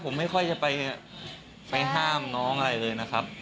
ผมไม่ค่อยจะไปห้ามน้องอะไรเลยนะครับ